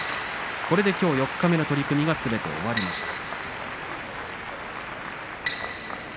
これできょう四日目の取組がすべて終わりました。